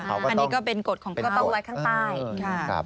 อันนี้ก็เป็นกฎของกระเป๋าวัดข้างใต้